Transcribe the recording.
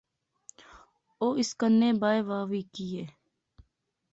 او اس کنے بائے وہا وی کہیہ